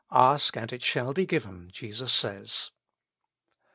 * Ask and it shall be given,' Jesus says.